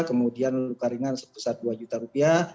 kemudian luka ringan sebesar dua juta rupiah